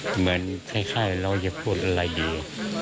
เหมือนคล้ายเราจะพูดอะไรดี